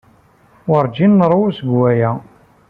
Werǧin nṛewwu seg waya.